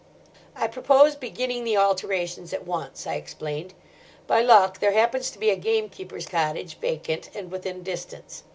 "I propose beginning the alterations at once," I explained. "By luck there happens to be a gamekeeper's cottage vacant and within distance.